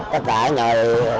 tất cả người